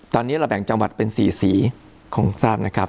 ตอนนี้เราแบ่งจังหวัดเป็น๔สีคงทราบนะครับ